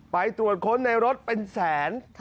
ไปตรวจค้นในรถเป็นแสน